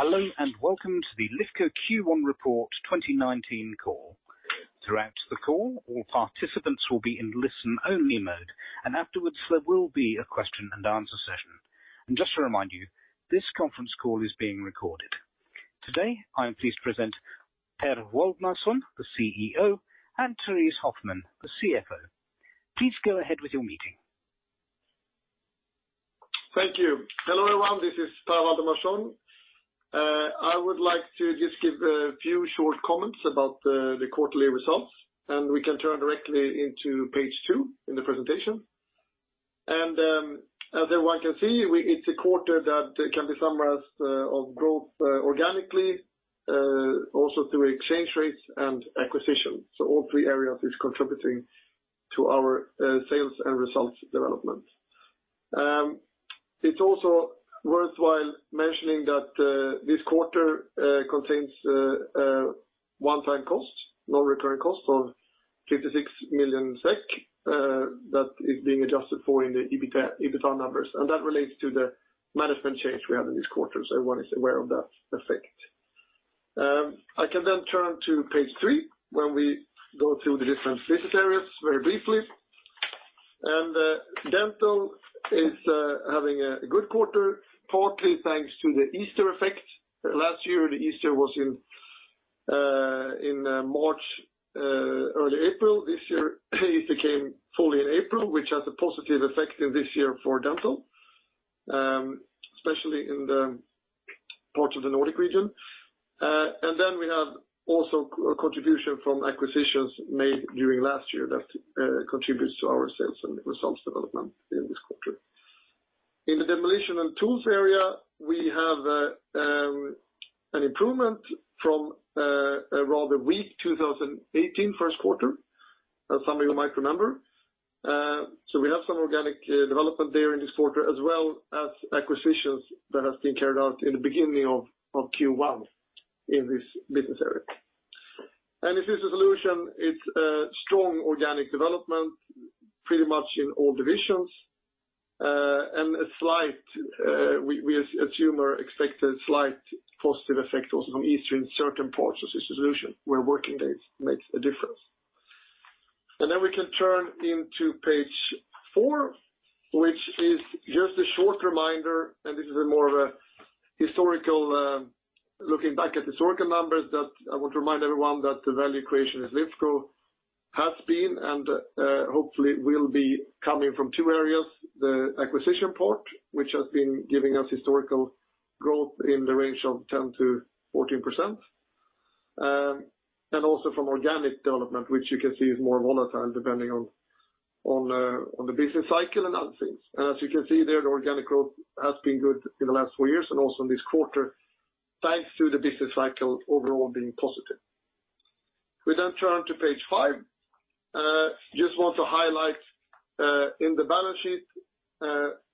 Hello, welcome to the Lifco Q1 Report 2019 call. Throughout the call, all participants will be in listen only mode. Afterwards, there will be a question and answer session. Just to remind you, this conference call is being recorded. Today, I am pleased to present Per Waldemarson, the CEO, and Therése Hoffman, the CFO. Please go ahead with your meeting. Thank you. Hello, everyone. This is Per Waldemarson. I would like to just give a few short comments about the quarterly results. We can turn directly into page two in the presentation. As everyone can see, it's a quarter that can be summarized of growth organically, also through exchange rates and acquisition. All three areas is contributing to our sales and results development. It's also worthwhile mentioning that this quarter contains one-time cost, non-recurring cost of 56 million SEK that is being adjusted for in the EBITDA numbers. That relates to the management change we have in this quarter. Everyone is aware of that effect. I can turn to page three where we go through the different business areas very briefly. This year, Easter came fully in April, which has a positive effect in this year for Dental, especially in the part of the Nordic region. We have also a contribution from acquisitions made during last year that contributes to our sales and results development in this quarter. In the Demolition & Tools area, we have an improvement from a rather weak 2018 first quarter, as some of you might remember. We have some organic development there in this quarter, as well as acquisitions that has been carried out in the beginning of Q1 in this business area. In Systems Solutions, it's strong organic development pretty much in all divisions. We assume or expected slight positive effect also from Easter in certain parts of Systems Solutions where working days makes a difference. We can turn into page four, which is just a short reminder. This is a more of looking back at historical numbers that I want to remind everyone that the value creation at Lifco has been and hopefully will be coming from two areas, the acquisition part, which has been giving us historical growth in the range of 10%-14%. Also from organic development, which you can see is more volatile depending on the business cycle and other things. As you can see there, the organic growth has been good in the last four years and also in this quarter, thanks to the business cycle overall being positive. We turn to page five. Just want to highlight, in the balance sheet,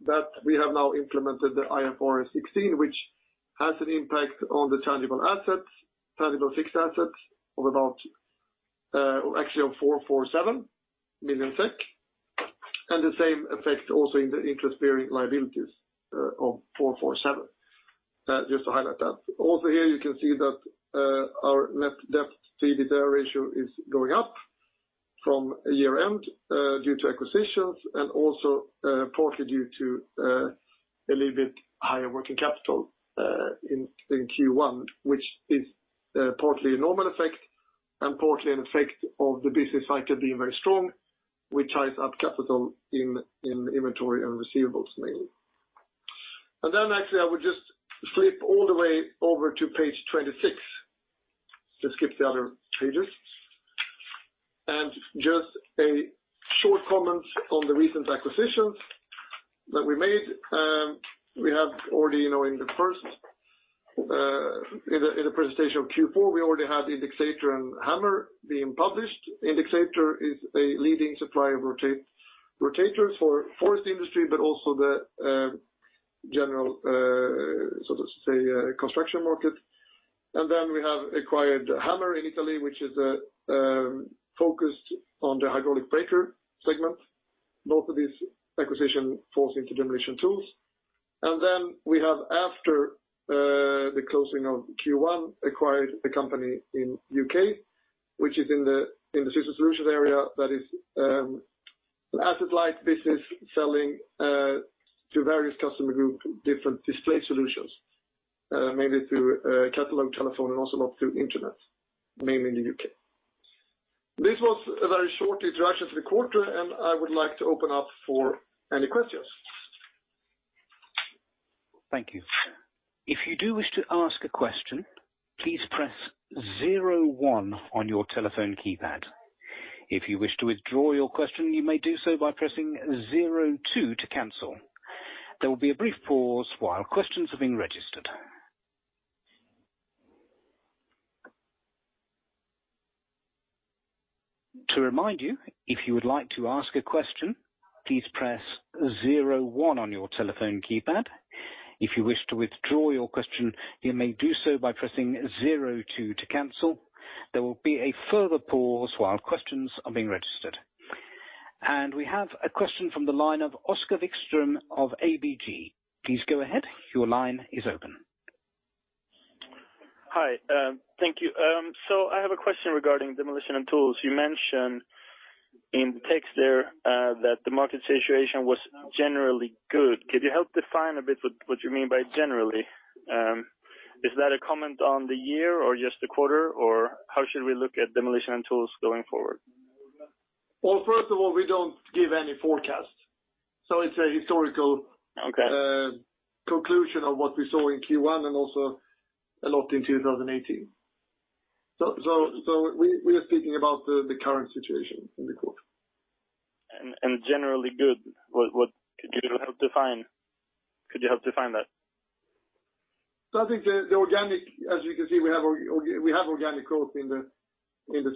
that we have now implemented the IFRS 16, which has an impact on the tangible fixed assets of about actually 447 million SEK. The same effect also in the interest-bearing liabilities of 447. Just to highlight that. Here you can see that our net debt to EBITDA ratio is going up from year-end due to acquisitions and also partly due to a little bit higher working capital in Q1, which is partly a normal effect and partly an effect of the business cycle being very strong, which ties up capital in inventory and receivables mainly. Actually I would just flip all the way over to page 26 to skip the other pages. Just a short comment on the recent acquisitions that we made. In the presentation of Q4, we already had Indexator and Hammer being published. Indexator is a leading supplier of rotators for forest industry, but also the general, so to say, construction market. Then we have acquired Hammer in Italy, which is focused on the hydraulic breaker segment. Both of these acquisition falls into Demolition & Tools. Then we have after the closing of Q1, acquired a company in U.K., which is in the Systems Solutions area that is an asset-light business selling to various customer group, different display solutions, mainly through catalog, telephone, and also now through internet, mainly in the U.K. This was a very short introduction to the quarter, and I would like to open up for any questions. Thank you. If you do wish to ask a question, please press zero one on your telephone keypad. If you wish to withdraw your question, you may do so by pressing zero two to cancel. There will be a brief pause while questions are being registered. To remind you, if you would like to ask a question, please press zero one on your telephone keypad. If you wish to withdraw your question, you may do so by pressing zero two to cancel. There will be a further pause while questions are being registered. We have a question from the line of Oskar Vikström of ABG. Please go ahead. Your line is open. Hi. Thank you. I have a question regarding Demolition & Tools. You mentioned in the text there that the market situation was generally good. Could you help define a bit what you mean by generally? Is that a comment on the year or just the quarter, or how should we look at Demolition & Tools going forward? Well, first of all, we don't give any forecasts. It's a historical- Okay conclusion of what we saw in Q1 and also a lot in 2018. We are speaking about the current situation in the quarter. Generally good, could you help define that? I think the organic, as you can see, we have organic growth in the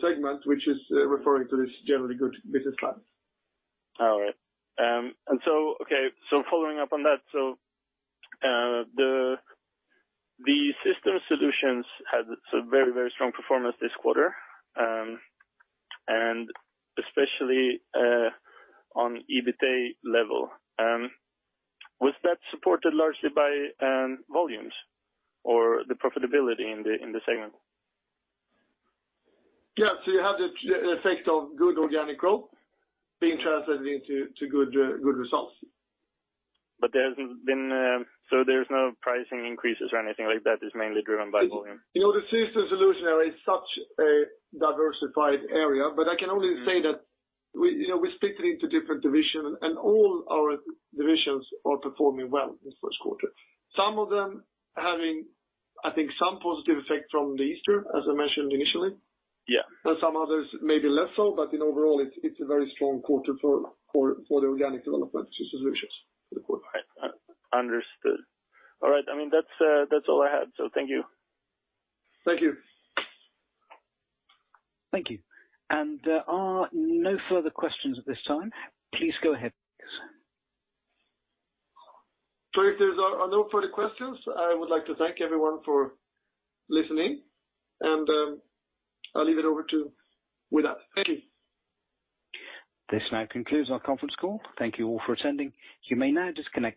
segment, which is referring to this generally good business plan. Following up on that, the Systems Solutions had a very strong performance this quarter, and especially, on EBITA level. Was that supported largely by volumes or the profitability in the segment? Yeah. You have the effect of good organic growth being translated into good results. There's no pricing increases or anything like that, it's mainly driven by volume? The Systems Solutions area is such a diversified area, I can only say that we split it into different division, all our divisions are performing well this first quarter. Some of them having, I think, some positive effect from the Easter, as I mentioned initially. Yeah. Some others, maybe less so, in overall, it's a very strong quarter for the organic development Systems Solutions for the quarter. Understood. All right. That's all I had. Thank you. Thank you. Thank you. There are no further questions at this time. Please go ahead. If there's are no further questions, I would like to thank everyone for listening and, I'll leave it over to Vidar. Thank you. This now concludes our conference call. Thank you all for attending. You may now disconnect.